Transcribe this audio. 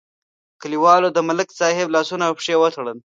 کلیوالو د ملک صاحب لاسونه او پښې وتړل.